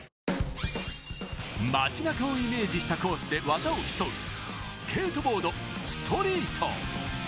街中をイメージしたコースで技を競う、スケートボード・ストリート。